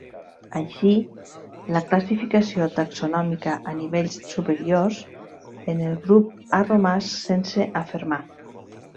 Així, la classificació taxonòmica a nivells superiors en el grup ha romàs sense afermar.